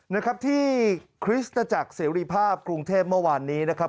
นะครับที่คริสตจักรเสรีภาพกรุงเทพเมื่อวานนี้นะครับ